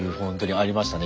ありましたよね。